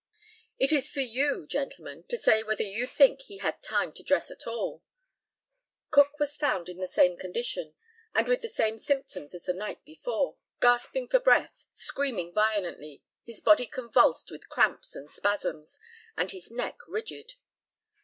It is for you, gentlemen, to say whether you think he had time to dress at all. Cook was found in the same condition, and with the same symptoms as the night before, gasping for breath, screaming violently, his body convulsed with cramps and spasms, and his neck rigid.